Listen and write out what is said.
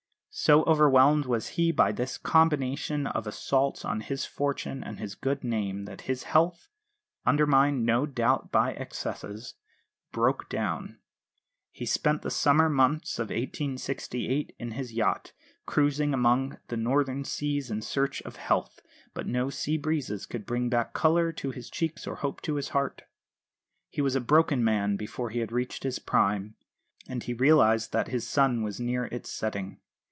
So overwhelmed was he by this combination of assaults on his fortune and his good name that his health undermined no doubt by excesses broke down. He spent the summer months of 1868 in his yacht, cruising among the northern seas in search of health; but no sea breezes could bring back colour to his cheeks or hope to his heart. He was a broken man before he had reached his prime, and he realised that his sun was near its setting.